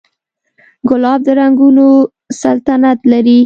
ګلاب د رنګونو سلطنت لري.